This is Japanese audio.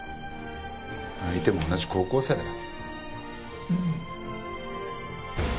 相手も同じ高校生だよ。